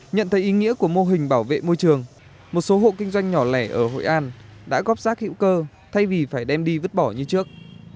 nhận thấy ý nghĩa của mô hình bảo vệ môi trường một số hộ kinh doanh nhỏ lẻ ở hội an đã góp rác hữu cơ thay vì phải đem đi vứt bỏ như trước